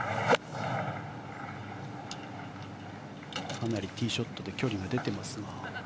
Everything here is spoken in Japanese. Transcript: かなりティーショットで距離が出ていますが。